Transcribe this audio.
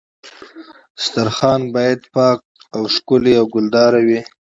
دسترخوان باید پاک او ښکلی او ګلدار وي.